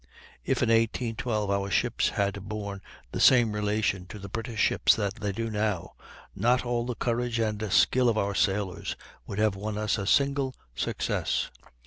If in 1812 our ships had borne the same relation to the British ships that they do now, not all the courage and skill of our sailors would have won us a single success.